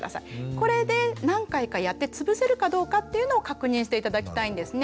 これで何回かやってつぶせるかどうかっていうのを確認して頂きたいんですね。